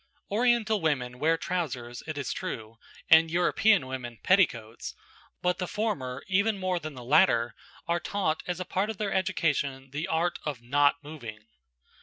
Oriental women wear trousers, it is true, and :European women, petticoats; but the former, even more than the latter, are taught as a part of their education the art of not moving.